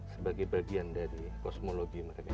sebagai bagian dari kosmologi mereka